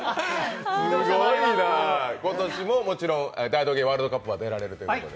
今年ももちろん大道芸ワールドカップに出られるということで。